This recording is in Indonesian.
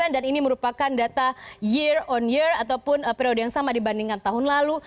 dan ini merupakan data year on year ataupun periode yang sama dibandingkan tahun lalu